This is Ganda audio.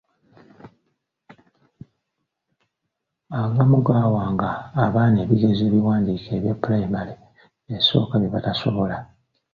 Agamu gaawanga abaana ebigezo ebiwandiike ebya pulayimale esooka bye batasobola.